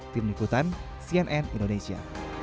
tim liputan cnn indonesia